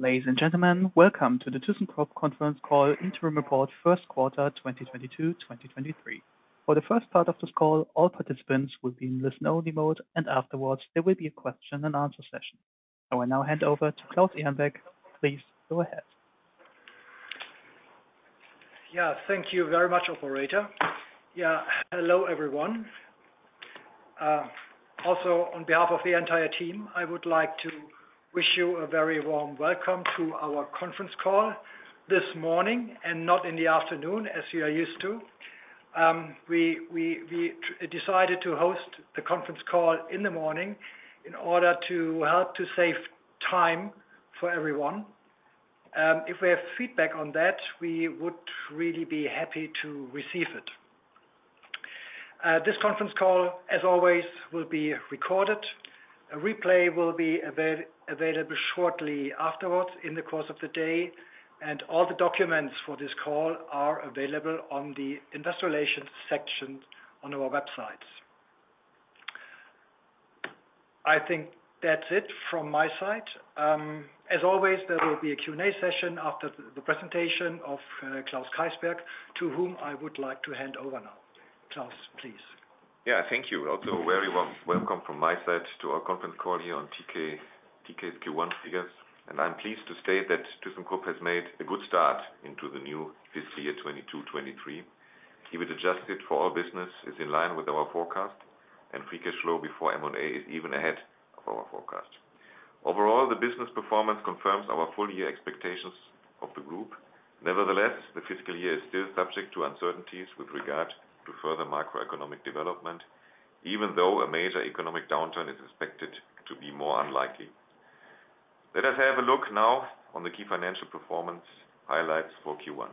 Ladies and gentlemen, welcome to the thyssenkrupp conference call interim report first quarter, 2022, 2023. For the first part of this call, all participants will be in listen only mode, and afterwards, there will be a question and answer session. I will now hand over to Claus Ehrenbeck. Please go ahead. Thank you very much, operator. Hello, everyone. Also on behalf of the entire team, I would like to wish you a very warm welcome to our conference call this morning and not in the afternoon, as you are used to. We decided to host the conference call in the morning in order to help to save time for everyone. If we have feedback on that, we would really be happy to receive it. This conference call, as always, will be recorded. A replay will be available shortly afterwards in the course of the day, and all the documents for this call are available on the industrial relations section on our website. I think that's it from my side. As always, there will be a Q&A session after the presentation of Klaus Keysberg, to whom I would like to hand over now. Klaus, please. Yeah. Thank you. Also, very warm welcome from my side to our conference call here on TK's Q1 figures. I'm pleased to state that thyssenkrupp has made a good start into the new fiscal year 2022, 2023. EBIT adjusted for all business is in line with our forecast, and free cash flow before M&A is even ahead of our forecast. Overall, the business performance confirms our full year expectations of the group. Nevertheless, the fiscal year is still subject to uncertainties with regard to further macroeconomic development, even though a major economic downturn is expected to be more unlikely. Let us have a look now on the key financial performance highlights for Q1.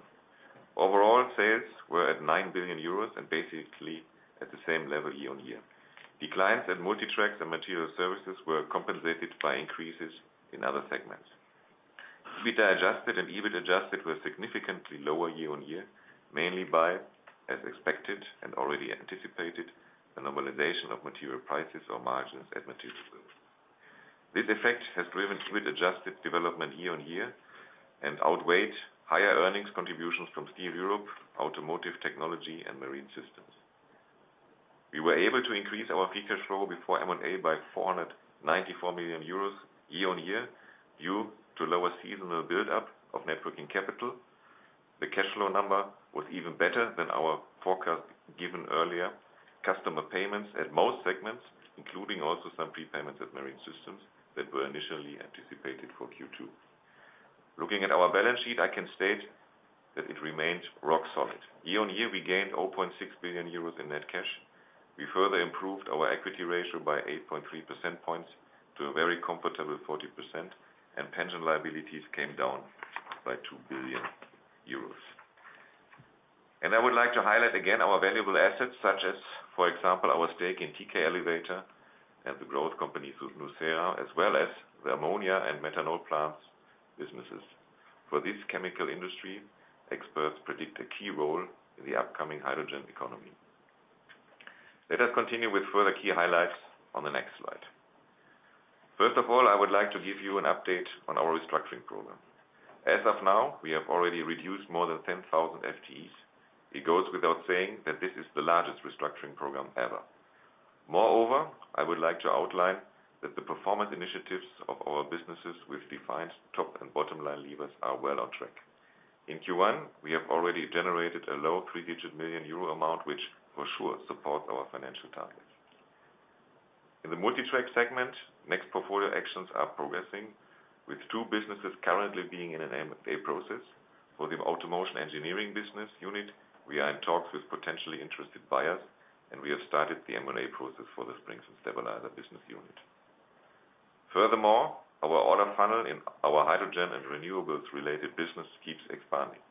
Overall, sales were at 9 billion euros and basically at the same level year-on-year. Declines at Multi Tracks and Materials Services were compensated by increases in other segments. EBITDA adjusted and EBIT adjusted were significantly lower year-on-year, mainly by, as expected and already anticipated, the normalization of material prices or margins at Materials Services. This effect has driven EBIT adjusted development year-on-year and outweighed higher earnings contributions from Steel Europe, Automotive Technology, and Marine Systems. We were able to increase our free cash flow before M&A by 494 million euros year-on-year due to lower seasonal build-up of net working capital. The cash flow number was even better than our forecast given earlier. Customer payments at most segments, including also some prepayments at Marine Systems that were initially anticipated for Q2. Looking at our balance sheet, I can state that it remains rock solid. Year-on-year, we gained 0.6 billion euros in net cash. We further improved our equity ratio by 8.3 percent points to a very comfortable 40%. Pension liabilities came down by 2 billion euros. I would like to highlight again our valuable assets such as, for example, our stake in TK Elevator and the growth company, thyssenkrupp nucera, as well as the ammonia and methanol plants businesses. For this chemical industry, experts predict a key role in the upcoming hydrogen economy. Let us continue with further key highlights on the next slide. First of all, I would like to give you an update on our restructuring program. As of now, we have already reduced more than 10,000 FTEs. It goes without saying that this is the largest restructuring program ever. Moreover, I would like to outline that the performance initiatives of our businesses with defined top and bottom-line levers are well on track. In Q1, we have already generated a low three-digit million EUR amount, which for sure supports our financial targets. In the Multi Tracks segment, next portfolio actions are progressing with two businesses currently being in an M&A process. For the Automation Engineering business unit, we are in talks with potentially interested buyers, and we have started the M&A process for the Springs & Stabilizers business unit. Furthermore, our order funnel in our hydrogen and renewables related business keeps expanding.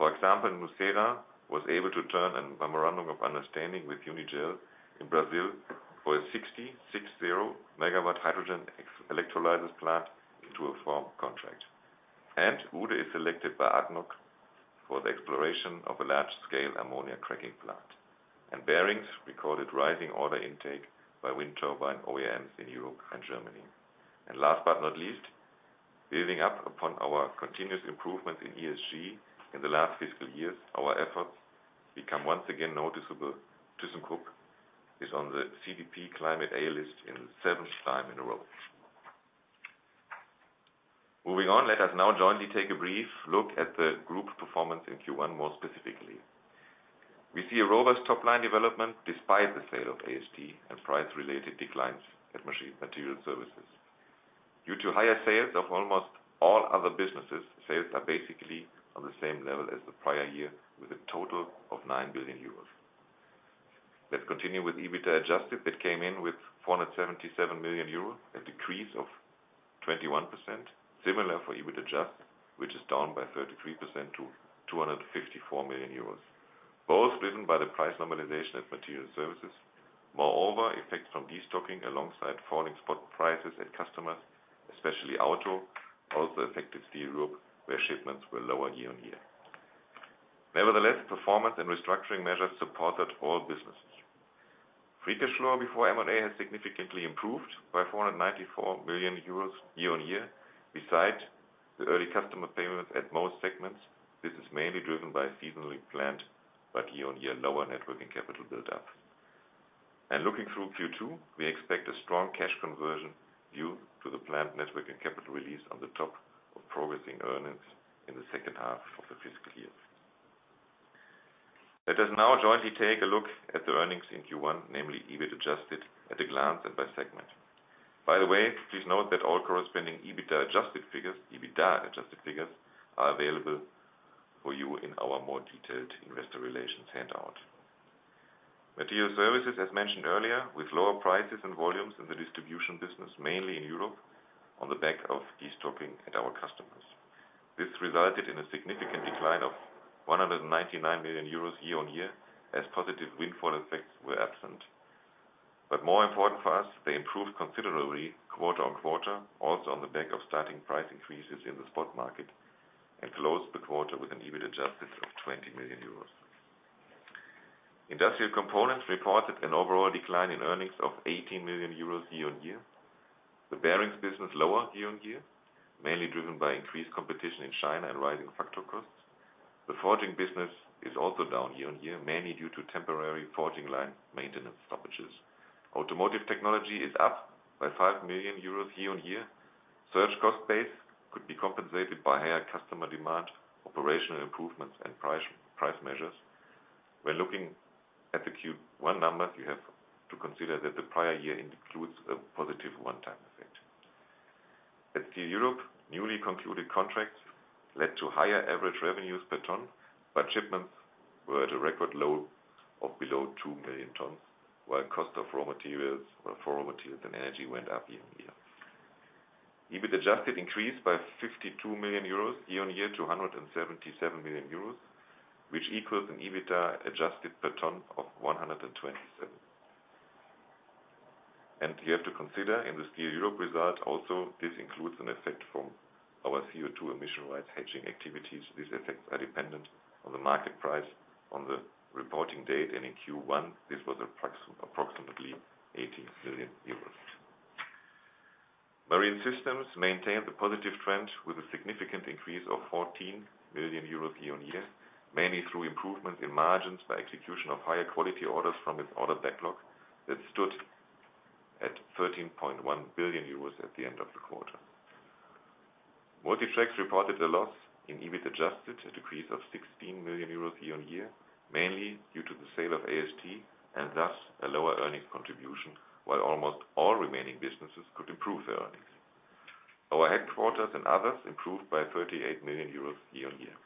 For example, nucera was able to turn a memorandum of understanding with Unigel in Brazil for a 60MW hydrogen electrolyser plant into a firm contract. Uhde is selected by ADNOC for the exploration of a large-scale ammonia cracking plant. Bearings recorded rising order intake by wind turbine OEMs in Europe and Germany. Last but not least, building up upon our continuous improvement in ESG in the last fiscal years, our efforts become once again noticeable. thyssenkrupp is on the CDP Climate A List in the seventh time in a row. Moving on, let us now jointly take a brief look at the group performance in Q1, more specifically. We see a robust top-line development despite the sale of AST and price-related declines at Material Services. Due to higher sales of almost all other businesses, sales are basically on the same level as the prior year with a total of 9 billion euros. Let's continue with EBITDA adjusted that came in with 477 million euros, a decrease of 21%. Similar for EBIT adjusted, which is down by 33% to 254 million euros, both driven by the price normalization of Material Services. Effects from destocking alongside falling spot prices at customers, especially Auto, also affected Steel Europe, where shipments were lower year-on-year. Performance and restructuring measures supported all businesses. Free cash flow before M&A has significantly improved by 494 million euros year-on-year. Besides the early customer payments at most segments, this is mainly driven by seasonally planned but year-on-year lower net working capital build-up. Looking through Q2, we expect a strong cash conversion due to the planned network and capital release on the top of progressing earnings in the second half of the fiscal year. Let us now jointly take a look at the earnings in Q1, namely EBIT adjusted at a glance and by segment. By the way, please note that all corresponding EBITDA adjusted figures are available for you in our more detailed Investor Relations handout. Materials Services, as mentioned earlier, with lower prices and volumes in the distribution business, mainly in Europe, on the back of destocking at our customers. This resulted in a significant decline of 199 million euros year-on-year, as positive windfall effects were absent. More important for us, they improved considerably quarter-on-quarter, also on the back of starting price increases in the spot market and closed the quarter with an EBIT adjusted of 20 million euros. Industrial Components reported an overall decline in earnings of 80 million euros year-on-year. The Bearings business lower year-on-year, mainly driven by increased competition in China and rising factor costs. The forging business is also down year-on-year, mainly due to temporary forging line maintenance stoppages. Automotive Technology is up by 5 million euros year-on-year. Surge cost base could be compensated by higher customer demand, operational improvements and price measures. When looking at the Q1 numbers, you have to consider that the prior year includes a positive one-time effect. At Steel Europe, newly concluded contracts led to higher average revenues per ton, but shipments were at a record low of below 2 million tons, while cost of raw materials and energy went up year-on-year. EBIT adjusted increased by 52 million euros year-on-year to 177 million euros, which equals an EBITA adjusted per ton of 127. You have to consider in the Steel Europe result also, this includes an effect from our CO2 emission-wide hedging activities. These effects are dependent on the market price on the reporting date and in Q1, this was approximately 80 million euros. Marine Systems maintained the positive trend with a significant increase of 14 million euros year-on-year, mainly through improvements in margins by execution of higher quality orders from its order backlog that stood at 13.1 billion euros at the end of the quarter. Multi Tracks reported a loss in EBIT adjusted, a decrease of 16 million euros year-on-year, mainly due to the sale of AST and thus a lower earnings contribution, while almost all remaining businesses could improve their earnings. Our headquarters and others improved by 38 million euros year-on-year.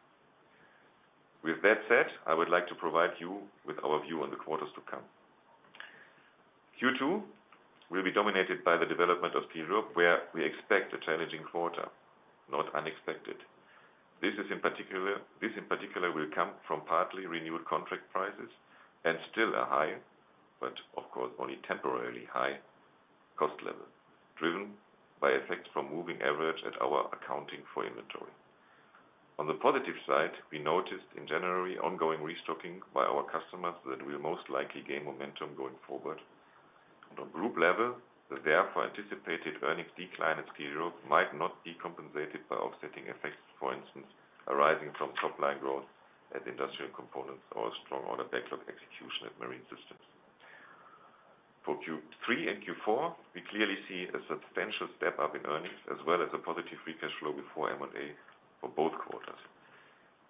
With that said, I would like to provide you with our view on the quarters to come. Q2 will be dominated by the development of Steel Europe, where we expect a challenging quarter, not unexpected. This, in particular, will come from partly renewed contract prices and still a high, but of course, only temporarily high cost level, driven by effects from moving average at our accounting for inventory. On the positive side, we noticed in January ongoing restocking by our customers that will most likely gain momentum going forward. On group level, the therefore anticipated earnings decline at Steel Europe might not be compensated by offsetting effects, for instance arising from top-line growth at Industrial Components or strong order backlog execution at Marine Systems. For Q3 and Q4, we clearly see a substantial step up in earnings as well as a positive free cash flow before M&A for both quarters.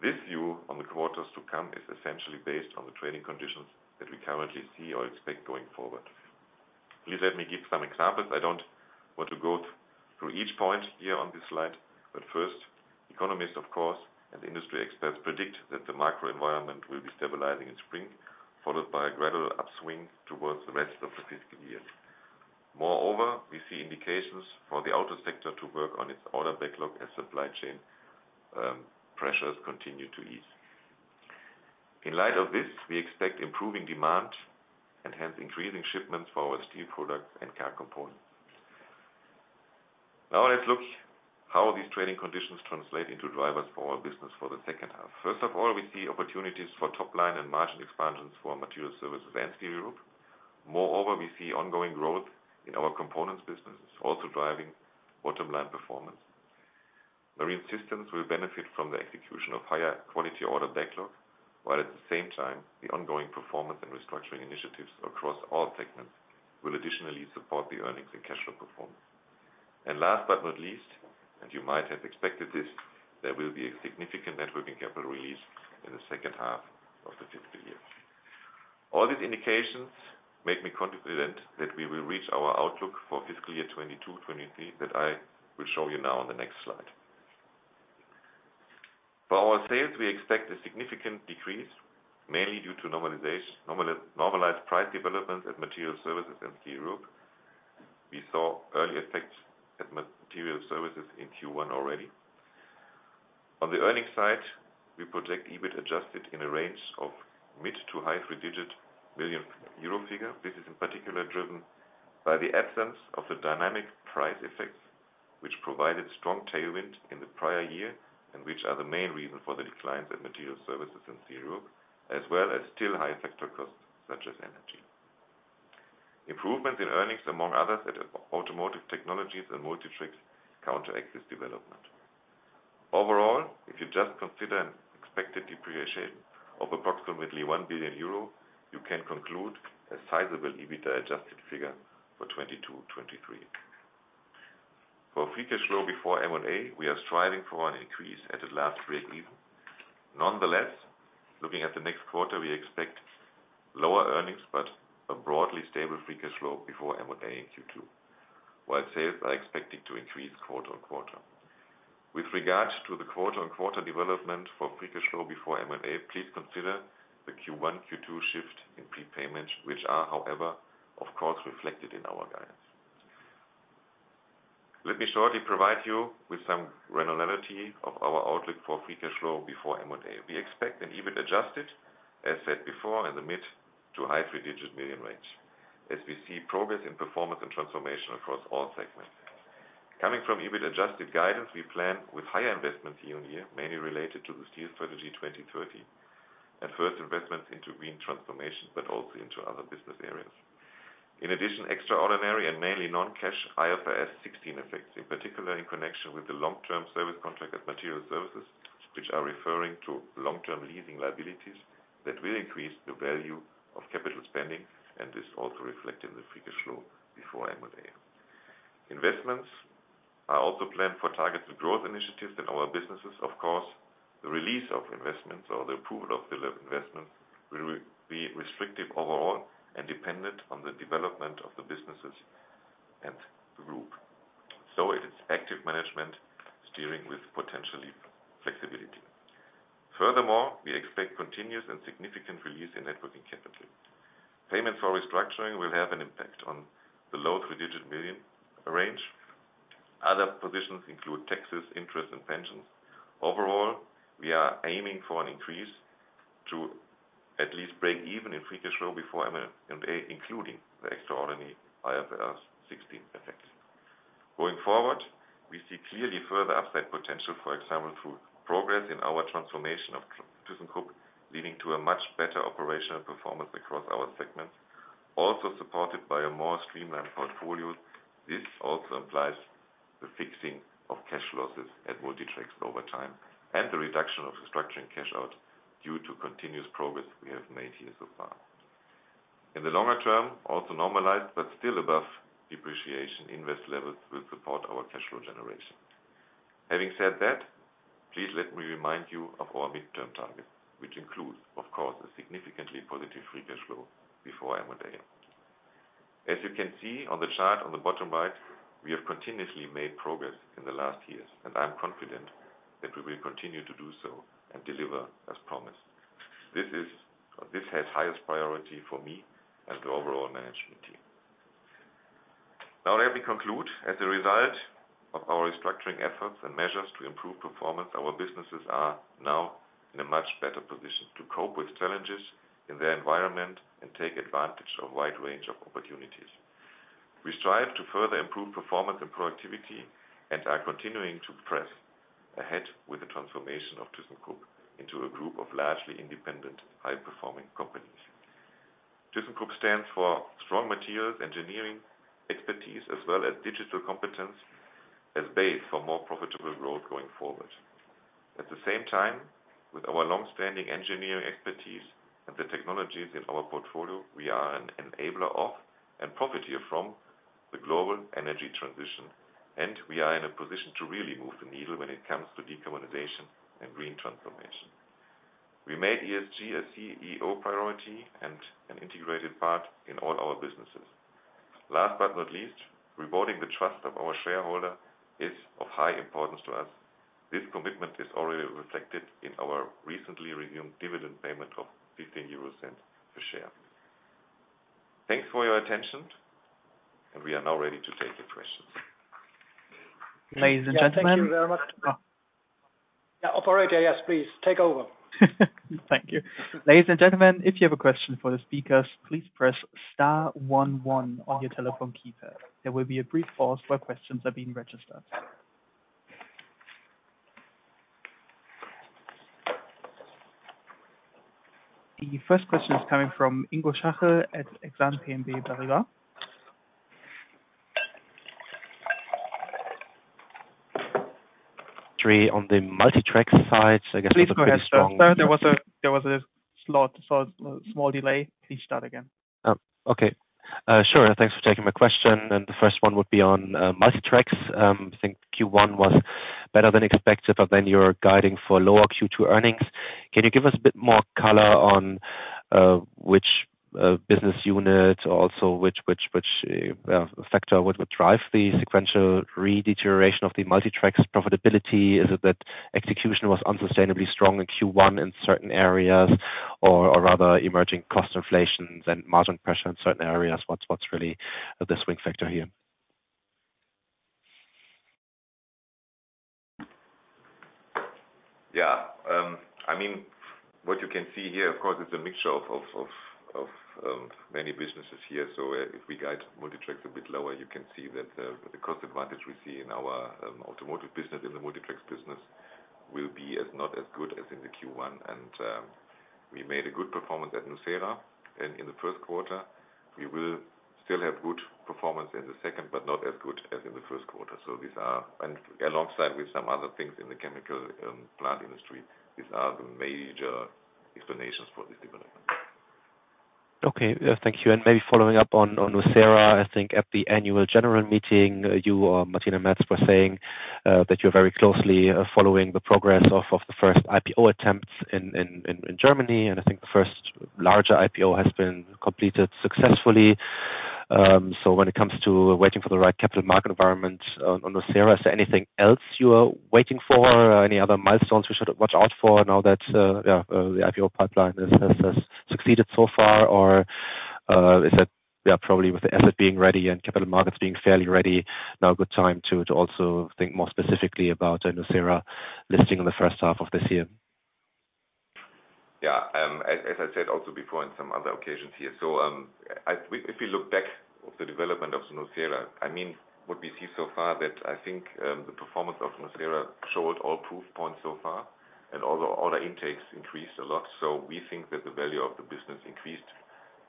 This view on the quarters to come is essentially based on the trading conditions that we currently see or expect going forward. Please let me give some examples. I don't want to go through each point here on this slide. First, economists, of course, and industry experts predict that the microenvironment will be stabilizing in spring, followed by a gradual upswing towards the rest of the fiscal year. Moreover, we see indications for the auto sector to work on its order backlog as supply chain pressures continue to ease. In light of this, we expect improving demand and hence increasing shipments for our steel products and car components. Now let's look how these trading conditions translate into drivers for our business for the second half. First of all, we see opportunities for top line and margin expansions for Materials Services and Steel Europe. Moreover, we see ongoing growth in our components businesses also driving bottom line performance. Marine Systems will benefit from the execution of higher quality order backlog, while at the same time, the ongoing performance and restructuring initiatives across all segments will additionally support the earnings and cash flow performance. Last but not least, and you might have expected this, there will be a significant net working capital release in the second half of the fiscal year. All these indications make me confident that we will reach our outlook for fiscal year 2022-2023, that I will show you now on the next slide. For our sales, we expect a significant decrease, mainly due to normalization, normalized price developments at Materials Services and Steel Europe. We saw early effects at Materials Services in Q1 already. On the earnings side, we project EBIT adjusted in a range of mid to high three-digit million EUR figure. This is in particular driven by the absence of the dynamic price effects, which provided strong tailwind in the prior year and which are the main reason for the declines in Materials Services and Steel Europe, as well as still high sector costs such as energy. Improvement in earnings, among others, at Automotive Technology and Multi Tracks counteracts this development. Overall, if you just consider an expected depreciation of approximately 1 billion euro, you can conclude a sizable EBIT adjusted figure for 2022/2023. For free cash flow before M&A, we are striving for an increase at the last breakeven. Looking at the next quarter, we expect lower earnings but a broadly stable free cash flow before M&A in Q2, while sales are expected to increase quarter-on-quarter. With regards to the quarter-on-quarter development for free cash flow before M&A, please consider the Q1, Q2 shift in prepayments, which are, however, of course, reflected in our guidance. Let me shortly provide you with some granularity of our outlook for free cash flow before M&A. We expect an EBIT adjusted, as said before, in the mid to high EUR 3-digit million range, as we see progress in performance and transformation across all segments. Coming from EBIT adjusted guidance, we plan with higher investments year-on-year, mainly related to the Steel Strategy 2030 and first investments into green transformations, but also into other business areas. In addition, extraordinary and mainly non-cash IFRS 16 effects, in particular in connection with the long-term service contract at Materials Services, which are referring to long-term leasing liabilities that will increase the value of capital spending and is also reflected in the free cash flow before M&A. Investments are also planned for targeted growth initiatives in our businesses. Of course, the release of investments or the approval of the level of investments will be restrictive overall and dependent on the development of the businesses and the group. It is active management steering with potentially flexibility. Furthermore, we expect continuous and significant release in net working capital. Payment for restructuring will have an impact on the EUR low three-digit million range. Other positions include taxes, interest, and pensions. Overall, we are aiming for an increase to at least break even in free cash flow before M&A, including the extraordinary IFRS 16 effects. Going forward, we see clearly further upside potential, for example, through progress in our transformation of thyssenkrupp, leading to a much better operational performance across our segments, also supported by a more streamlined portfolio. This also implies the fixing of cash losses at Multi Tracks over time and the reduction of restructuring cash out due to continuous progress we have made here so far. In the longer term, also normalized but still above depreciation invest levels will support our cash flow generation. Having said that, please let me remind you of our midterm target, which includes, of course, a significantly positive free cash flow before M&A. As you can see on the chart on the bottom right, we have continuously made progress in the last years, and I'm confident that we will continue to do so and deliver as promised. This has highest priority for me and the overall management team. Now let me conclude. As a result of our restructuring efforts and measures to improve performance, our businesses are now in a much better position to cope with challenges in their environment and take advantage of wide range of opportunities. We strive to further improve performance and productivity and are continuing to press ahead with the transformation of thyssenkrupp into a group of largely independent, high-performing companies. thyssenkrupp stands for strong materials, engineering expertise, as well as digital competence as base for more profitable growth going forward. At the same time, with our long-standing engineering expertise and the technologies in our portfolio, we are an enabler of and profit here from the global energy transition, and we are in a position to really move the needle when it comes to decarbonization and green transformation. We made ESG a CEO priority and an integrated part in all our businesses. Last but not least, rewarding the trust of our shareholder is of high importance to us. This commitment is already reflected in our recently renewed dividend payment of 0.15 per share. Thanks for your attention, and we are now ready to take your questions. Ladies and gentlemen. Thank you very much. Operator, yes, please take over. Thank you. Ladies and gentlemen, if you have a question for the speakers, please press star one one on your telephone keypad. There will be a brief pause while questions are being registered. The first question is coming from Ingo Schachel at Exane BNP Paribas. Three on the Multi Tracks side, I guess. Please go ahead, sir. There was a slot, so a small delay. Please start again. Okay. Sure. Thanks for taking my question. The first one would be on Multi Tracks. I think Q1 was better than expected, but then you're guiding for lower Q2 earnings. Can you give us a bit more color on which business unit also which factor would drive the sequential redeterioration of the Multi Tracks profitability? Is it that execution was unsustainably strong in Q1 in certain areas or rather emerging cost inflations and margin pressure in certain areas? What's really the swing factor here? Yeah. I mean, what you can see here, of course, it's a mixture of many businesses here. If we guide Multi Tracks a bit lower, you can see that the cost advantage we see in our Automotive business, in the Multi Tracks business will be as not as good as in the Q1. We made a good performance at nucera. In the first quarter, we will still have good performance in the second, but not as good as in the first quarter. These are alongside with some other things in the chemical plant industry, these are the major explanations for this development. Okay. Thank you. Maybe following up on nucera, I think at the annual general meeting, you Martina Merz was saying that you're very closely following the progress of the first IPO attempts in Germany. I think the first larger IPO has been completed successfully. When it comes to waiting for the right capital market environment on nucera, is there anything else you are waiting for? Any other milestones we should watch out for now that, yeah, the IPO pipeline has succeeded so far? Is it, yeah, probably with the asset being ready and capital markets being fairly ready now a good time to also think more specifically about a nucera listing in the first half of this year? Yeah. As I said also before in some other occasions here. If we look back of the development of nucera, I mean, what we see so far that I think, the performance of nucera showed all proof points so far, and all the order intakes increased a lot. We think that the value of the business increased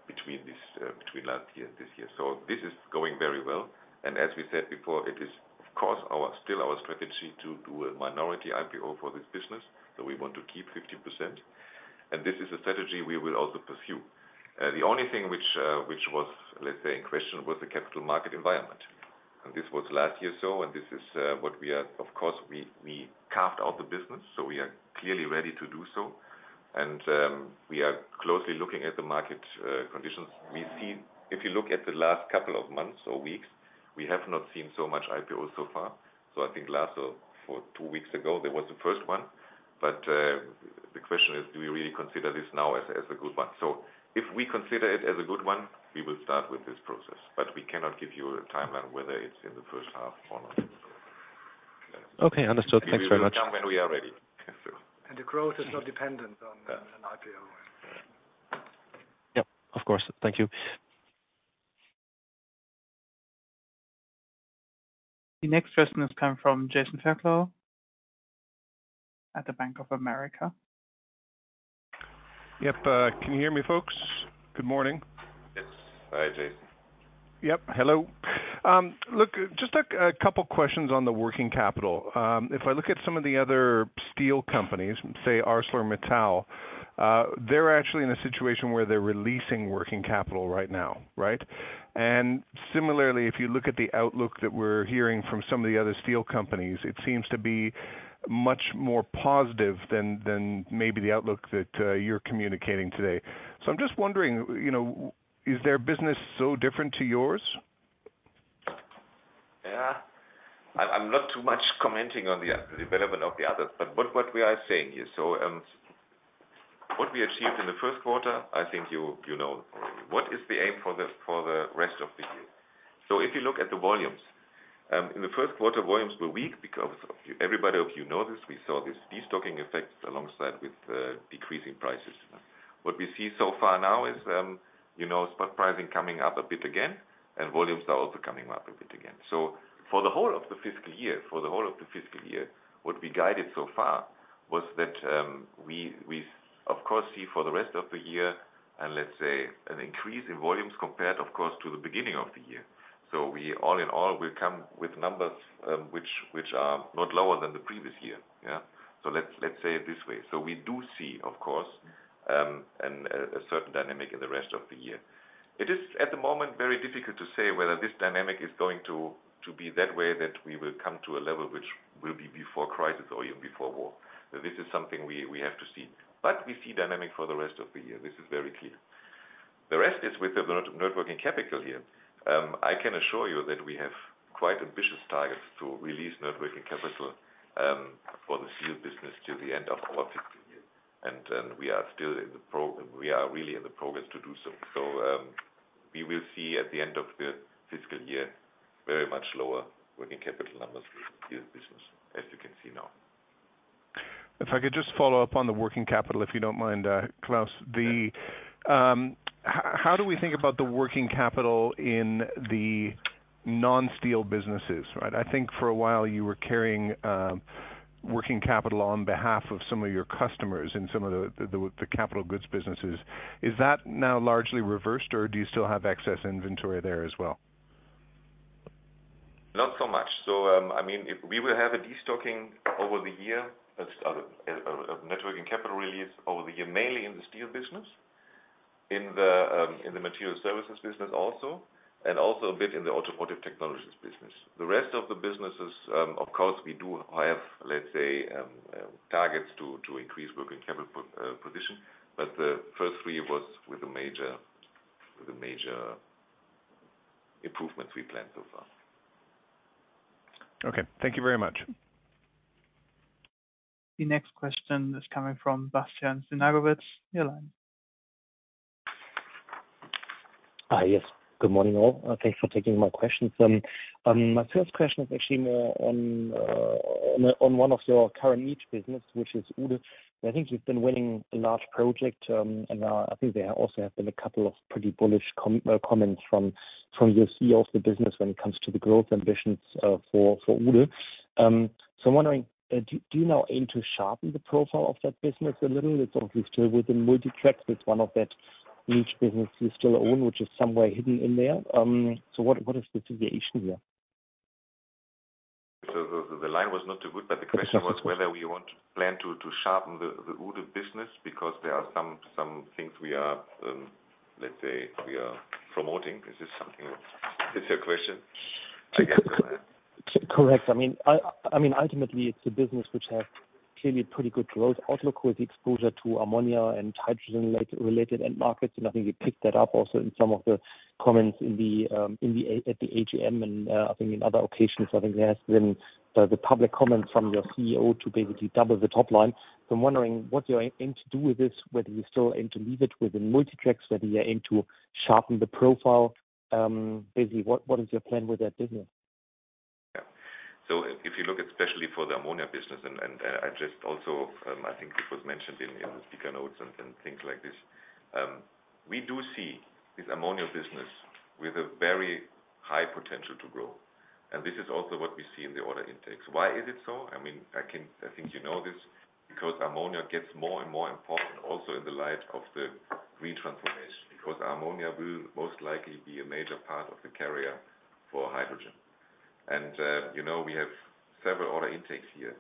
between this, between last year and this year. This is going very well. As we said before, it is of course still our strategy to do a minority IPO for this business. We want to keep 50%, and this is a strategy we will also pursue. The only thing which was, let's say, in question, was the capital market environment. This was last year, and this is what we are... Of course, we carved out the business, so we are clearly ready to do so. We are closely looking at the market conditions. If you look at the last couple of months or weeks, we have not seen so much IPO so far. I think last or for two weeks ago, there was the first one. The question is, do we really consider this now as a good one? If we consider it as a good one, we will start with this process, but we cannot give you a timeline, whether it's in the first half or not. Okay, understood. Thanks very much. We will come when we are ready. The growth is not dependent on an IPO. Yep, of course. Thank you. The next question is coming from Jason Fairclough at the Bank of America. Yep. Can you hear me, folks? Good morning. Yes. Hi, Jason. Yep. Hello. Look, just a couple questions on the working capital. If I look at some of the other steel companies, say, ArcelorMittal, they're actually in a situation where they're releasing working capital right now, right? Similarly, if you look at the outlook that we're hearing from some of the other steel companies, it seems to be much more positive than maybe the outlook that you're communicating today. I'm just wondering, you know, is their business so different to yours? Yeah. I'm not too much commenting on the development of the others, but what we are saying is, what we achieved in the first quarter, I think you know already. What is the aim for the rest of the year? If you look at the volumes, in the first quarter, volumes were weak because everybody of you know this, we saw this destocking effect alongside with the decreasing prices. What we see so far now is, you know, spot pricing coming up a bit again and volumes are also coming up a bit again. For the whole of the fiscal year, what we guided so far was that we of course see for the rest of the year, and let's say an increase in volumes compared of course to the beginning of the year. We all in all will come with numbers which are not lower than the previous year. Yeah. Let's say it this way. We do see, of course, a certain dynamic in the rest of the year. It is at the moment very difficult to say whether this dynamic is going to be that way, that we will come to a level which will be before crisis or even before war. This is something we have to see. We see dynamic for the rest of the year. This is very clear. The rest is with the net working capital here. I can assure you that we have quite ambitious targets to release net working capital for the Steel business till the end of our fiscal year. We are really in the progress to do so. We will see at the end of the fiscal year very much lower working capital numbers with Steel business, as you can see now. If I could just follow up on the working capital, if you don't mind, Klaus. How do we think about the working capital in the non-steel businesses, right? I think for a while you were carrying working capital on behalf of some of your customers in some of the capital goods businesses. Is that now largely reversed, or do you still have excess inventory there as well? Not so much. I mean, if we will have a destocking over the year, of net working capital release over the year, mainly in the Steel business, in the Materials Services business also, and also a bit in the Automotive Technology business. The rest of the businesses, of course, we do have, let's say, targets to increase working capital position. The first three was with the major improvements we planned so far. Okay. Thank you very much. The next question is coming from Bastian Synagowitz. Your line. Yes. Good morning all. Thanks for taking my questions. My first question is actually more on one of your current niche business, which is Uhde. I think you've been winning a large project, and now I think there also have been a couple of pretty bullish comments from your CEO of the business when it comes to the growth ambitions for Uhde. I'm wondering, do you now aim to sharpen the profile of that business a little? It's obviously still within Multi Tracks with one of that niche business you still own, which is somewhere hidden in there. What is the situation there? The line was not too good, but the question was whether we plan to sharpen the Uhde business because there are some things we are, let's say, promoting. Is this something? Is this your question? I guess. Correct. I mean, ultimately it's a business which has clearly pretty good growth outlook with the exposure to ammonia and hydrogen related end markets, and I think you picked that up also in some of the comments in the at the AGM and I think in other occasions, I think there has been the public comment from your CEO to basically double the top line. I'm wondering what you are aiming to do with this, whether you still aim to leave it within Multi Tracks, whether you aim to sharpen the profile. Basically what is your plan with that business? If you look especially for the ammonia business, and I just also, I think it was mentioned in the speaker notes and things like this. We do see this ammonia business with a very high potential to grow, and this is also what we see in the order intakes. Why is it so? I mean, I think you know this, because ammonia gets more and more important also in the light of the green transformation, because ammonia will most likely be a major part of the carrier for hydrogen. You know, we have several order intakes here.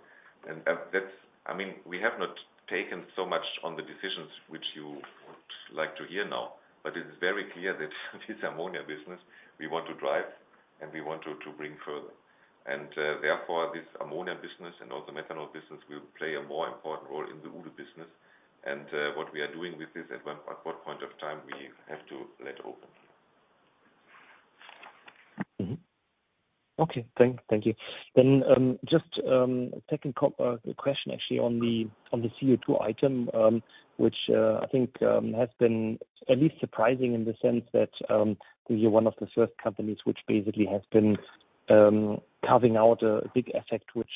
I mean, we have not taken so much on the decisions which you would like to hear now, but it's very clear that this ammonia business we want to drive and we want to bring further. Therefore, this ammonia business and also methanol business will play a more important role in the Uhde business. What we are doing with this at what point of time, we have to let open. Okay. Thank you. Just a second question actually on the CO2 item, which I think has been at least surprising in the sense that you're one of the first companies which basically has been carving out a big effect, which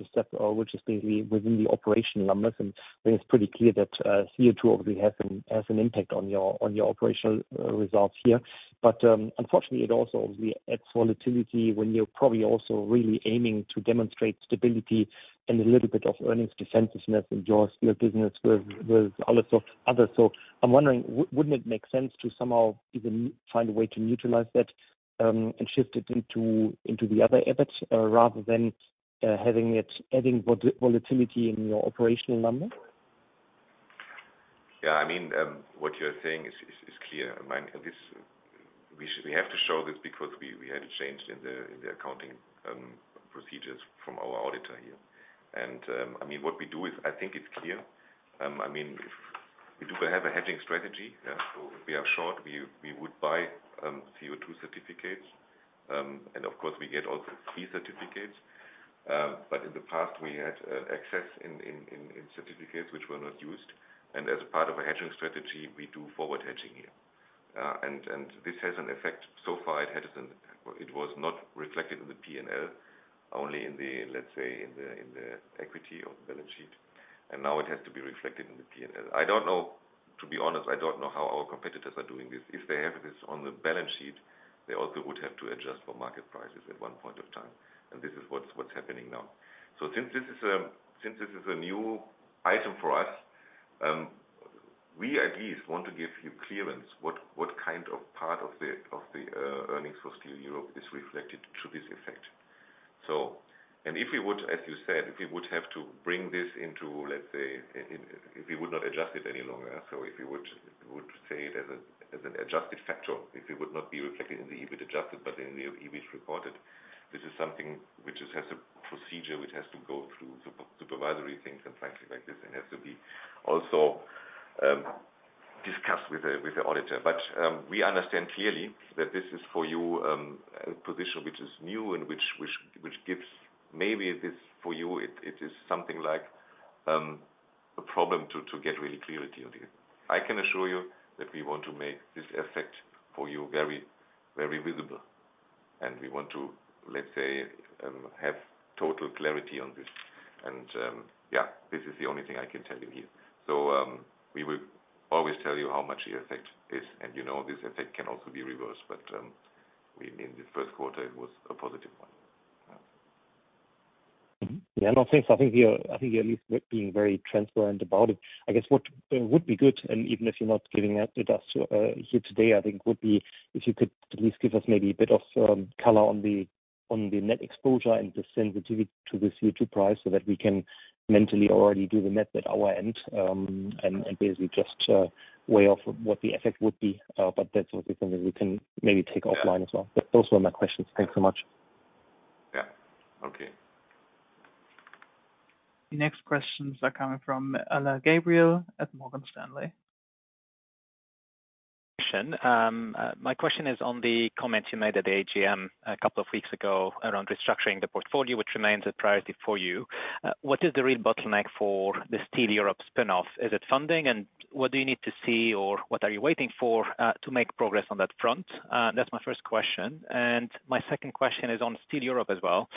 is set, which is basically within the operation numbers. I think it's pretty clear that CO2 obviously has an impact on your operational results here. Unfortunately, it also obviously adds volatility when you're probably also really aiming to demonstrate stability and a little bit of earnings defensiveness in your Steel business with others. I'm wondering, wouldn't it make sense to somehow even find a way to neutralize that, and shift it into the other EBIT, rather than having it adding volatility in your operational numbers? Yeah, I mean, what you're saying is clear. I mean, this we have to show this because we had a change in the accounting procedures from our auditor here. I mean, what we do is I think it's clear. I mean, if we do have a hedging strategy, yeah. If we are short, we would buy CO2 certificates. Of course we get also free certificates. In the past we had excess in certificates which were not used. As a part of a hedging strategy, we do forward hedging here. This has an effect. So far it was not reflected in the P&L, only in the, let's say, in the equity of the balance sheet. Now it has to be reflected in the P&L. I don't know, to be honest, I don't know how our competitors are doing this. If they have this on the balance sheet, they also would have to adjust for market prices at one point of time. This is what's happening now. Since this is a new item for us, we at least want to give you clearance, what kind of part of the earnings for Steel Europe is reflected through this effect. If we would, as you said, if we would have to bring this into, let's say, in, if we would not adjust it any longer. If we would say it as an adjusted factor, if it would not be reflected in the EBIT adjusted, but in the EBIT reported. This is something which has a procedure which has to go through supervisory things and frankly like this, it has to be also discussed with the auditor. We understand clearly that this is for you a position which is new and which gives maybe this for you, it is something like a problem to get really clear with you on this. I can assure you that we want to make this effect for you very visible, and we want to, let's say, have total clarity on this. Yeah, this is the only thing I can tell you here. We will always tell you how much the effect is, and you know, this effect can also be reversed, but, we mean the first quarter it was a positive one. Yeah. No, thanks. I think you're at least being very transparent about it. I guess what would be good, and even if you're not giving it to us here today, I think would be if you could at least give us maybe a bit of color on the net exposure and the sensitivity to the CO2 price so that we can mentally already do the math at our end, and basically just weigh off what the effect would be. That's something that we can maybe take offline as well. Those were my questions. Thanks so much. Yeah. Okay. The next questions are coming from Alain Gabriel at Morgan Stanley. My question is on the comments you made at the AGM a couple of weeks ago around restructuring the portfolio, which remains a priority for you. What is the real bottleneck for the Steel Europe spinoff? Is it funding, and what do you need to see, or what are you waiting for, to make progress on that front? That's my first question. My second question is on Steel Europe as well.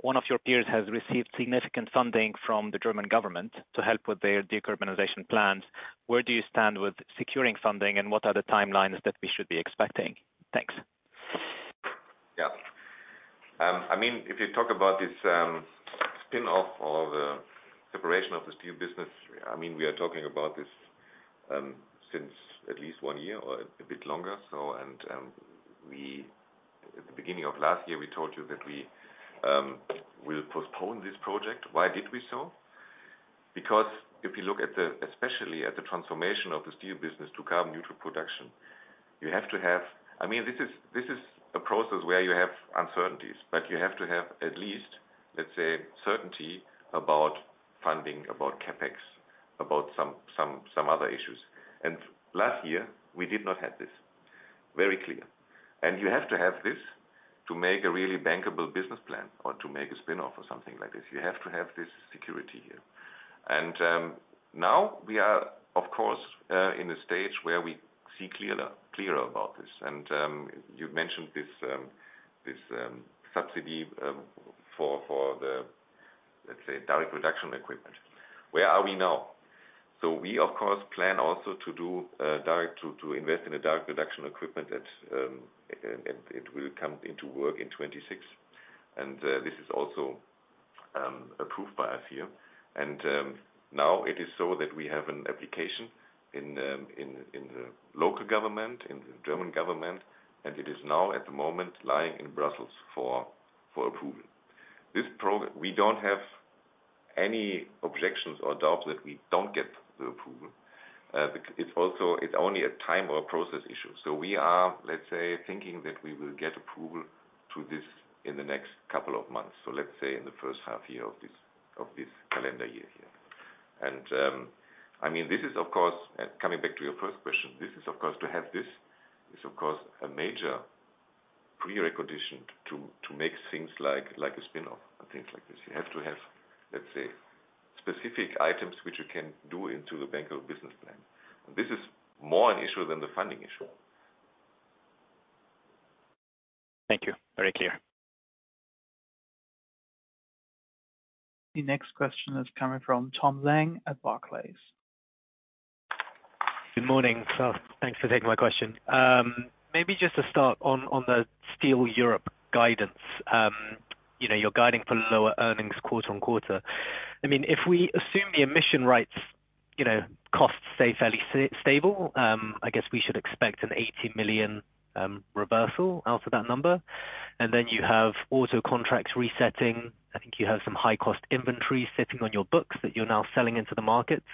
One of your peers has received significant funding from the German government to help with their decarbonization plans. Where do you stand with securing funding, and what are the timelines that we should be expecting? Thanks. Yeah. I mean, if you talk about this spinoff or the separation of the Steel business, I mean, we are talking about this since at least one year or a bit longer. At the beginning of last year, we told you that we will postpone this project. Why did we so? Because if you look at the, especially at the transformation of the Steel business to carbon neutral production, you have to have. I mean, this is a process where you have uncertainties, but you have to have at least, let's say, certainty about funding, about CapEx, about some other issues. Last year, we did not have this. Very clear. You have to have this to make a really bankable business plan or to make a spinoff or something like this. You have to have this security here. Now we are, of course, in a stage where we see clearer about this. You mentioned this subsidy for the, let's say, direct reduction equipment. Where are we now? We of course plan also to invest in a direct reduction equipment that it will come into work in 2026. This is also approved by us here. Now it is so that we have an application in the local government, in the German Government, and it is now at the moment lying in Brussels for approval. We don't have any objections or doubts that we don't get the approval. It's also, it's only a time or process issue. We are, let's say, thinking that we will get approval to this in the next couple of months. Let's say in the first half year of this calendar year here. I mean, this is of course, coming back to your first question, this is of course to have a major pre-recognition to make things like a spinoff and things like this. You have to have, let's say, specific items which you can do into the bank of business plan. This is more an issue than the funding issue. Thank you. Very clear. The next question is coming from Tom Zhang at Barclays. Good morning. Thanks for taking my question. Maybe just to start on the Steel Europe guidance. You know, you're guiding for lower earnings quarter-on-quarter. I mean, if we assume the emission rights, you know, costs stay fairly stable, I guess we should expect an 80 million reversal out of that number. You have auto contracts resetting. I think you have some high cost inventory sitting on your books that you're now selling into the markets.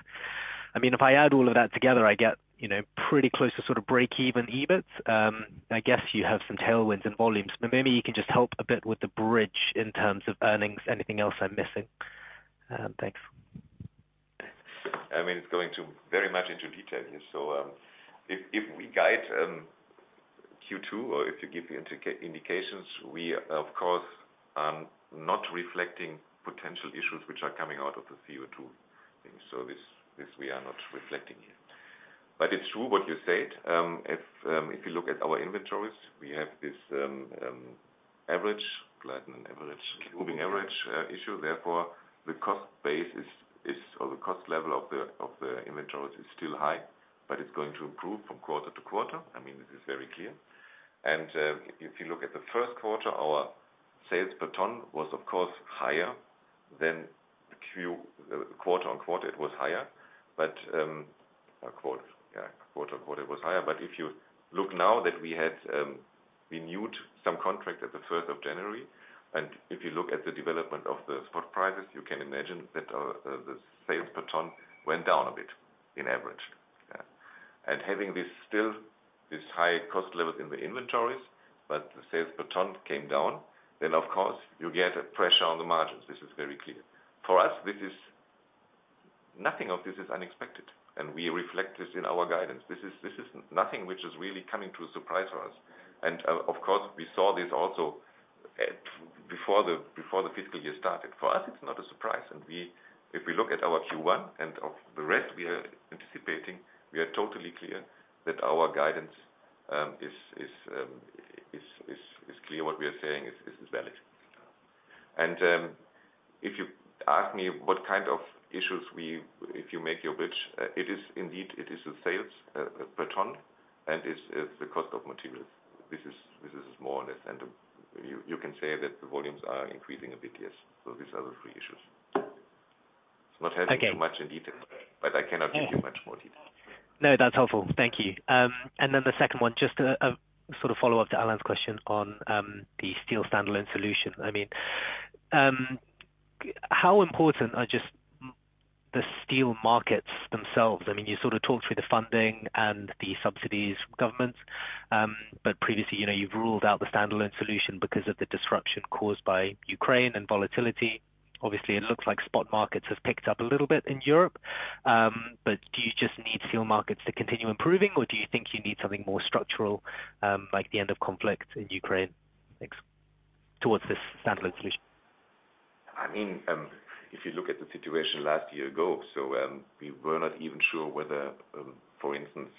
I mean, if I add all of that together, I get, you know, pretty close to sort of break-even EBIT. I guess you have some tailwinds and volumes. Maybe you can just help a bit with the bridge in terms of earnings, anything else I'm missing. Thanks. I mean, it's going to very much into detail here. If, if we guide, Q2 or if you give indications, we of course are not reflecting potential issues which are coming out of the CO2 thing. This we are not reflecting here. It's true what you said. If, you look at our inventories, we have this average, flattened average, moving average issue. Therefore, the cost base is, or the cost level of the, of the inventories is still high, but it's going to improve from quarter to quarter. I mean, this is very clear. If you look at the first quarter, our sales per ton was of course higher than the quarter-on-quarter, it was higher. A quarter, yeah. Quarter-on-quarter it was higher. If you look now that we had renewed some contract at the 1st of January, and if you look at the development of the spot prices, you can imagine that our the sales per ton went down a bit in average. Yeah. Having this still, this high cost levels in the inventories, but the sales per ton came down, then of course you get a pressure on the margins. This is very clear. For us, this is nothing of this is unexpected, and we reflect this in our guidance. This is nothing which is really coming to a surprise for us. Of course, we saw this also before the fiscal year started. For us, it's not a surprise. We, if we look at our Q1 and of the rest we are anticipating, we are totally clear that our guidance is clear what we are saying is valid. If you ask me what kind of issues we, if you make your bridge, it is indeed, it is the sales per ton, and it's the cost of materials. This is more or less. You can say that the volumes are increasing a bit, yes. These are the three issues. It's not helping too much in detail, but I cannot give you much more detail. No, that's helpful. Thank you. The second one, just a sort of follow-up to Alain's question on the Steel standalone solution. I mean, how important are just the steel markets themselves? I mean, you sort of talked through the funding and the subsidies from governments. Previously, you know, you've ruled out the standalone solution because of the disruption caused by Ukraine and volatility. Obviously, it looks like spot markets have picked up a little bit in Europe. Do you just need fuel markets to continue improving, or do you think you need something more structural, like the end of conflict in Ukraine? Thanks. Towards this standalone solution. I mean, if you look at the situation last year ago, we were not even sure whether, for instance,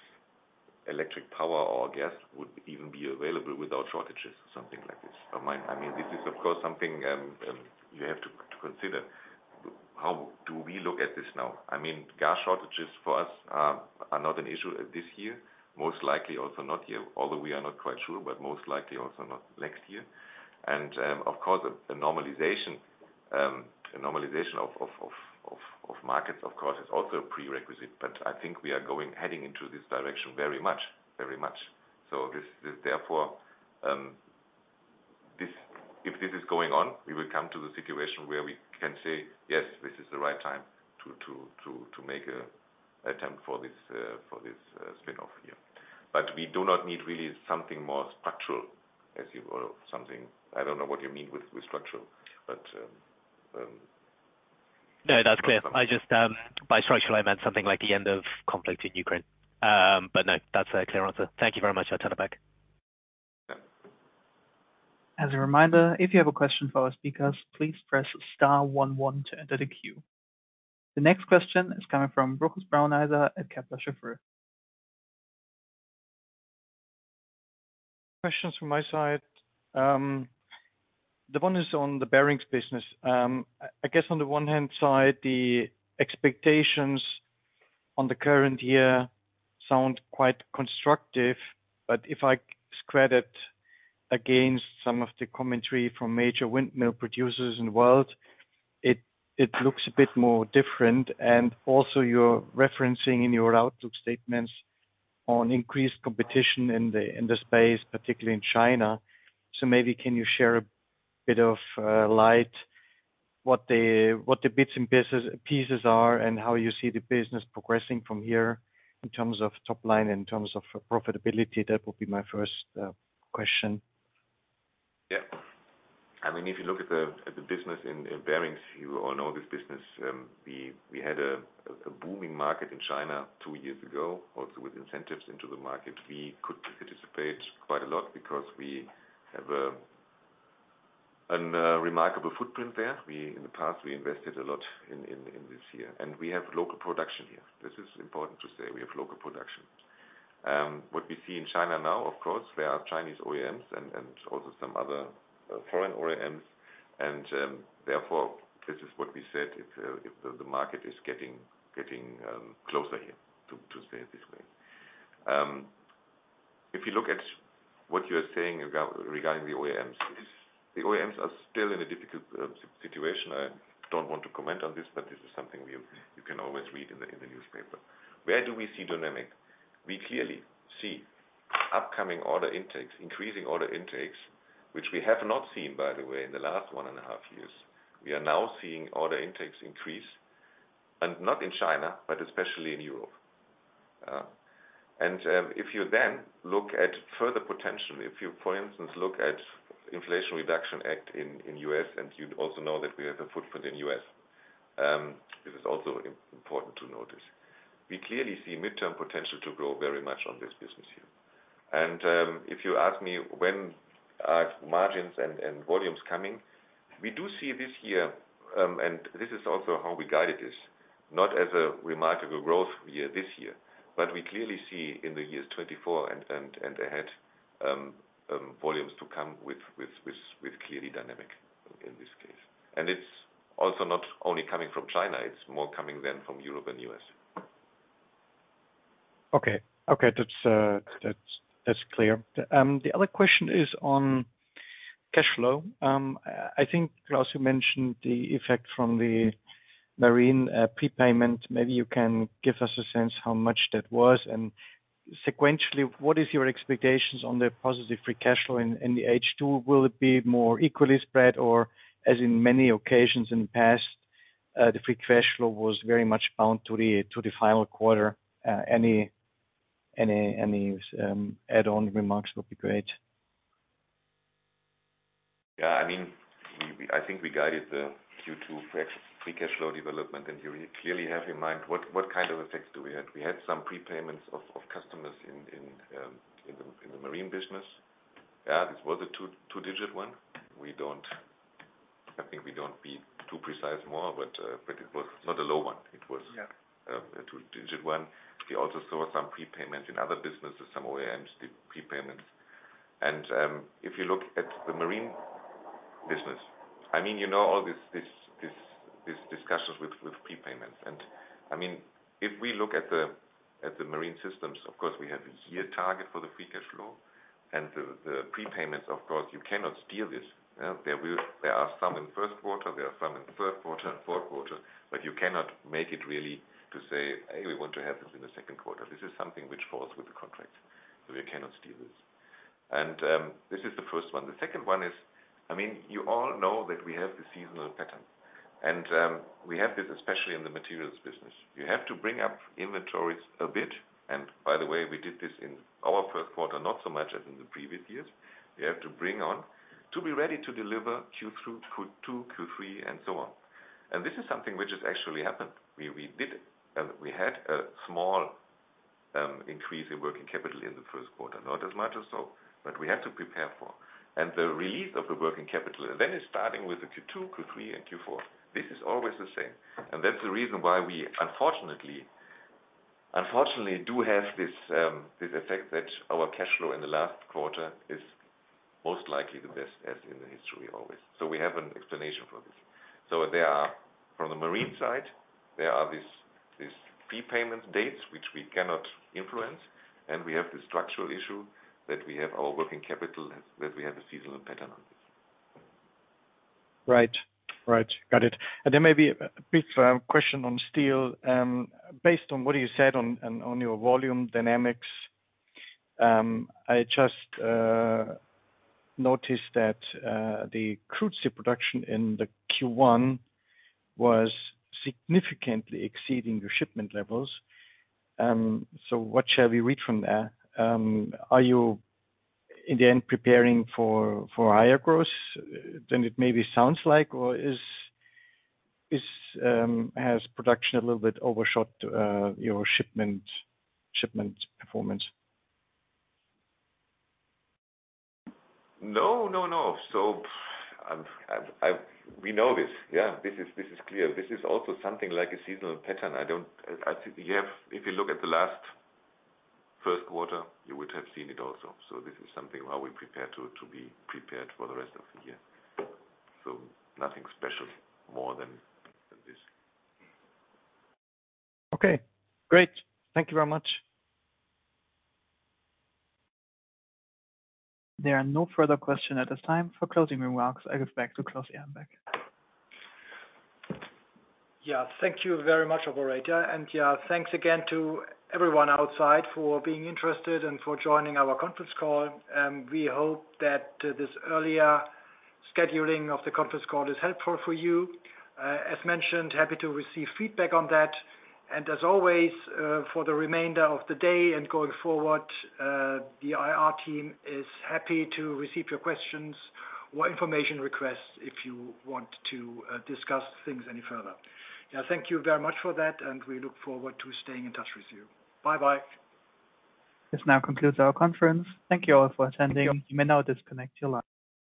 electric power or gas would even be available without shortages or something like this. I mean, this is of course something, you have to consider. How do we look at this now? I mean, gas shortages for us, are not an issue this year. Most likely also not here, although we are not quite sure, but most likely also not next year. Of course, the normalization, the normalization of markets, of course, is also a prerequisite. I think we are heading into this direction very much. Very much. This, therefore, if this is going on, we will come to the situation where we can say, "Yes, this is the right time to make a time for this spin-off here." We do not need really something more structural as you or something. I don't know what you mean with structural, but. No, that's clear. I just, by structural, I meant something like the end of conflict in Ukraine. No, that's a clear answer. Thank you very much. I'll turn it back. As a reminder, if you have a question for our speakers, please press star one one to enter the queue. The next question is coming from Rochus Brauneiser at Kepler Cheuvreux. Questions from my side. The one is on the Bearings business. I guess on the one hand side, the expectations on the current year sound quite constructive, but if I square that against some of the commentary from major windmill producers in the world, it looks a bit more different. Also you're referencing in your outlook statements on increased competition in the, in the space, particularly in China. Maybe can you share a bit of light what the, what the bits and pieces are and how you see the business progressing from here in terms of top line, in terms of profitability? That would be my first question. Yeah. I mean, if you look at the business in Bearings, you all know this business. We had a booming market in China two years ago, also with incentives into the market. We could participate quite a lot because we have a remarkable footprint there. In the past, we invested a lot in this year. We have local production here. This is important to say, we have local production. What we see in China now, of course, there are Chinese OEMs and also some other foreign OEMs. Therefore, this is what we said, if the market is getting closer here, to stay this way. If you look at what you are saying regarding the OEMs. The OEMs are still in a difficult situation. I don't want to comment on this, but this is something you can always read in the newspaper. Where do we see dynamic? We clearly see upcoming order intakes, increasing order intakes, which we have not seen, by the way, in the last 1.5 years. We are now seeing order intakes increase, and not in China, but especially in Europe. If you then look at further potential, if you, for instance, look at Inflation Reduction Act in U.S., and you also know that we have a footprint in U.S., this is also important to notice. We clearly see midterm potential to grow very much on this business here. If you ask me, when are margins and volumes coming? We do see this year, and this is also how we guide it, is not as a remarkable growth year this year. We clearly see in the years 2024 and ahead, volumes to come with clearly dynamic in this case. It's also not only coming from China, it's more coming than from Europe and U.S. Okay. Okay, that's clear. The other question is on cash flow. I think Klaus you mentioned the effect from the marine prepayment. Maybe you can give us a sense how much that was? Sequentially, what is your expectations on the positive free cash flow in the H2? Will it be more equally spread or as in many occasions in the past, the free cash flow was very much bound to the final quarter? Any add-on remarks would be great. I mean, I think we guided the Q2 pre-cash flow development. You clearly have in mind what kind of effects do we have. We had some prepayments of customers in the marine business. This was a two-digit one. I think we don't be too precise more, but it was not a two-digit one. We also saw some prepayments in other businesses, some OEMs did prepayments. If you look at the marine business, I mean, you know all this, these discussions with prepayments. I mean, if we look at the Marine Systems, of course, we have a year target for the free cash flow and the prepayments, of course, you cannot steal this. There are some in first quarter, there are some in third quarter and fourth quarter, but you cannot make it really to say, "Hey, we want to have this in the second quarter." This is something which falls with the contracts, so we cannot steal this. This is the first one. The second one is, I mean, you all know that we have the seasonal pattern, we have this especially in the materials business. You have to bring up inventories a bit. By the way, we did this in our first quarter, not so much as in the previous years. We have to bring on to be ready to deliver Q2, Q3, and so on. This is something which has actually happened. We had a small increase in working capital in the first quarter. Not as much as so, but we had to prepare for. The release of the working capital, it's starting with the Q2, Q3, and Q4. This is always the same. That's the reason why we unfortunately do have this effect that our cash flow in the last quarter is most likely the best as in the history always. We have an explanation for this. There are from the marine side, there are these fee payment dates which we cannot influence. We have the structural issue that we have our net working capital, that we have a seasonal pattern on this. Right. Right. Got it. Maybe a big question on steel. Based on what you said on your volume dynamics, I just noticed that the crude production in the Q1 was significantly exceeding your shipment levels. What shall we read from there? Are you in the end preparing for higher growth than it maybe sounds like? Or is production a little bit overshot your shipment performance? No, no. We know this. Yeah, this is, this is clear. This is also something like a seasonal pattern. If you look at the last first quarter, you would have seen it also. This is something where we prepare to be prepared for the rest of the year. Nothing special more than this. Okay, great. Thank you very much. There are no further question at this time. For closing remarks, I give back to Claus Ehrenbeck. Yeah, thank you very much, operator. Yeah, thanks again to everyone outside for being interested and for joining our conference call. We hope that this earlier scheduling of the conference call is helpful for you. As mentioned, happy to receive feedback on that. As always, for the remainder of the day and going forward, the IR team is happy to receive your questions or information requests if you want to discuss things any further. Yeah, thank you very much for that and we look forward to staying in touch with you. Bye-bye. This now concludes our conference. Thank you all for attending. You may now disconnect your line.